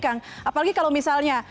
apalagi kalau misalnya